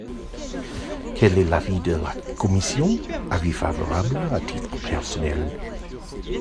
Quel est l’avis de la commission ? Avis favorable, à titre personnel.